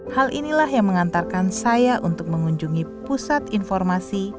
hal inilah yang mengantarkan saya untuk mengunjungi pusat informasi